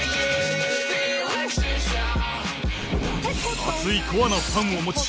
熱いコアなファンを持ち